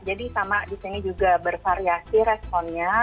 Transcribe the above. jadi sama disini juga bervariasi responnya